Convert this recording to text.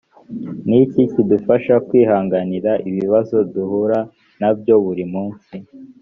ni iki kidufasha kwihanganira ibibazo duhura na byo buri munsi